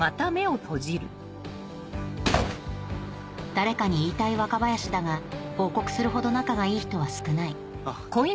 誰かに言いたい若林だが報告するほど仲がいい人は少ないあっ。